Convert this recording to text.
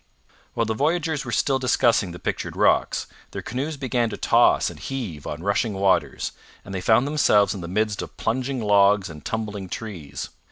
While the voyagers were still discussing the pictured rocks, their canoes began to toss and heave on rushing waters, and they found themselves in the midst of plunging logs and tumbling trees.